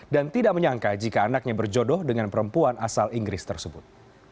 dan tidak menyangka jika anaknya berjodoh dengan perempuan asal inggris tersebut